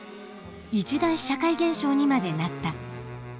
一大社会現象にまでなった。